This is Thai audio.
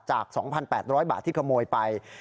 จาก๒๘๐๐บาทที่ขโมยไป